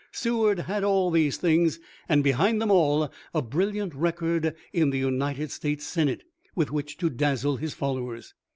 Seward had all these things, and, behind them all, a brilliant record in the United States Senate with which to dazzle his followers.